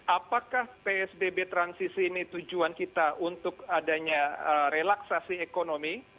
apakah psbb transisi ini tujuan kita untuk adanya relaksasi ekonomi